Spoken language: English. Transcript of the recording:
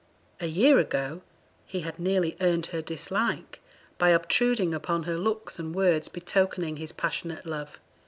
A year ago he had nearly earned her dislike by obtruding upon her looks and words betokening his passionate love.